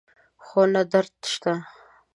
خو نه درد شته